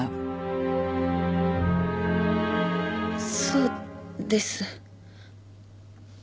そうです。